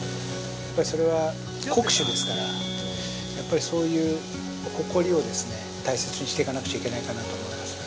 やっぱり、それは國酒ですからそういう誇りを大切にしていかなくちゃいけないかなと思いますね。